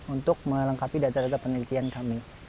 untuk melengkapi data data penelitian kami